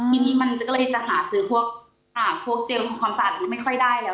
ทีนี้มันก็เลยจะหาซื้อพวกเจมส์ความสะอาดไม่ค่อยได้แล้ว